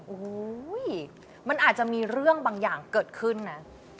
โอ้โหมันอาจจะมีเรื่องบางอย่างเกิดขึ้นนะ